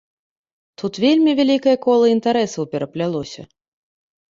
Тут вельмі вялікае кола інтарэсаў пераплялося.